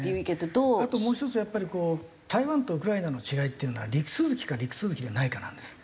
あともう１つやっぱり台湾とウクライナの違いっていうのは陸続きか陸続きではないかなんです。